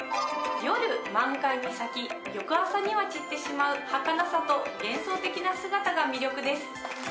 夜満開に咲き翌朝には散ってしまうはかなさと幻想的な姿が魅力です。